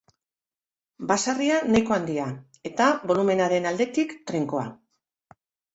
Baserria nahiko handia eta, bolumenaren aldetik, trinkoa.